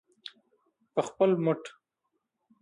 په خپل مټ.